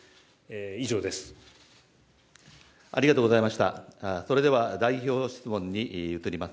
以上です。